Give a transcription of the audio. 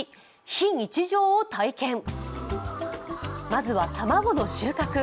まずは、卵の収穫。